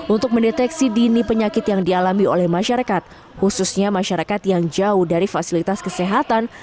untuk mendeteksi dini penyakit yang dialami oleh masyarakat khususnya masyarakat yang jauh dari fasilitas kesehatan